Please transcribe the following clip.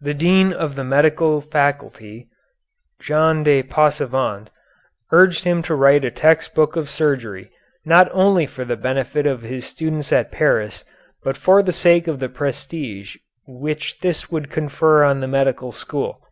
The dean of the medical faculty, Jean de Passavant, urged him to write a text book of surgery, not only for the benefit of his students at Paris but for the sake of the prestige which this would confer on the medical school.